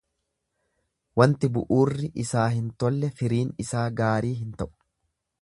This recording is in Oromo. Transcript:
Wanti bu'uurri isaa hin tolle firiin isaa gaarii hin ta'u.